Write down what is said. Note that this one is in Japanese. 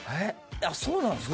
そうなんですか。